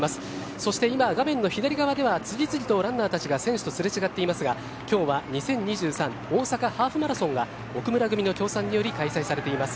そして今、画面の左側では次々とランナーが選手と擦れ違っていますがきょうは２０２３大阪ハーフマラソンが奥村組の協賛により開催されております。